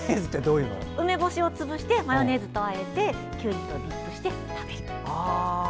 梅干しを潰してマヨネーズとあえてきゅうりとディップして食べる。